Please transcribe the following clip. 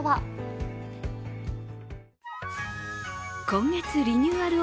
今月リニューアル